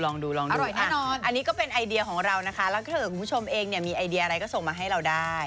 ลองดูลองดูอร่อยแน่นอนอันนี้ก็เป็นไอเดียของเรานะคะแล้วถ้าเกิดคุณผู้ชมเองเนี่ยมีไอเดียอะไรก็ส่งมาให้เราได้